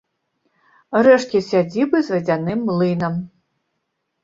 Рэшткі сядзібы з вадзяным млынам.